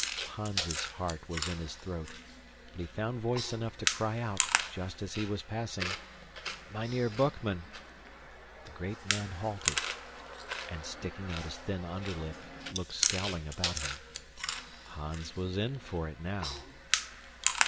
Hans's heart was in his throat, but he found voice enough to cry out, just as he was passing, "Mynheer Boekman!" The great man halted and, sticking out his thin underlip, looked scowling about him. Hans was in for it now.